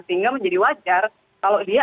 sehingga menjadi wajar kalau dia